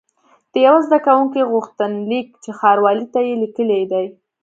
د یوه زده کوونکي غوښتنلیک چې ښاروالۍ ته یې لیکلی دی.